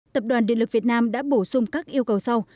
tập đoàn điện lực việt nam đã bổ sung các yêu cầu sau